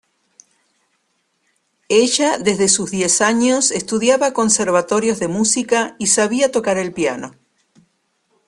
Ella desde sus diez años estudiaba conservatorios de música y sabía tocar el piano.